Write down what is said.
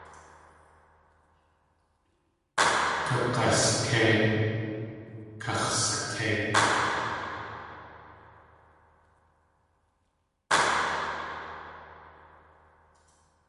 Kag̲aské!; Kax̲saké!